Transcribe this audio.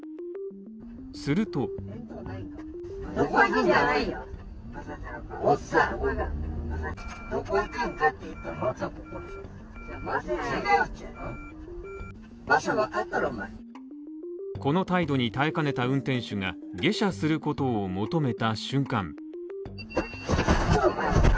するとこの態度に耐えかねた運転手が下車することを求めた瞬間